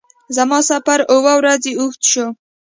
زما سفر اووه ورځو اوږد شو.